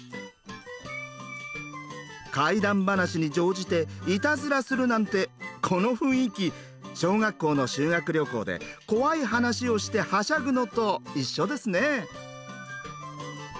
怪談話に乗じてイタズラするなんてこの雰囲気小学校の修学旅行で怖い話をしてはしゃぐのと一緒ですねぇ。